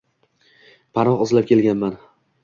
Panoh izlab kelganman.